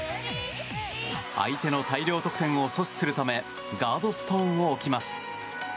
相手の大量得点を阻止するためガードストーンを置きます。